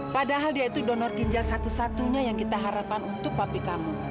padahal dia itu donor ginjal satu satunya yang kita harapkan untuk pabrik kamu